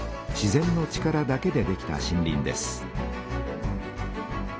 自然の力だけでできた森林です。